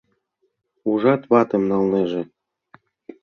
— Ужат, ватым налнеже!